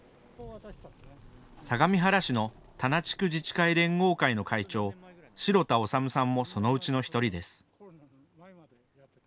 相模原市の田名地区自治会連合会の会長、代田修さんもそのうちの１人です。